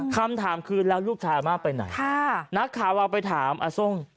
คำถามคือแล้วลูกชายอาม่าไปไหนค่ะนักข่าวเราไปถามอาส้ม